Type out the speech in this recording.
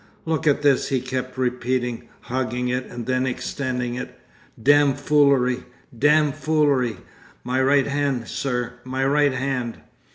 'Look at this,' he kept repeating, hugging it and then extending it. 'Damned foolery! Damned foolery! My right hand, sir! My right hand!